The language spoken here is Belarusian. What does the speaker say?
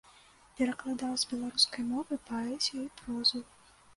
Перакладаў з беларускай мовы паэзію і прозу.